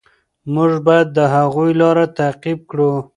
موږ باید د هغوی لاره تعقیب کړو.